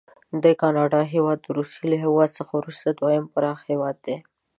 د کاناډا هیواد د روسي له هیواد څخه وروسته دوهم پراخ هیواد دی.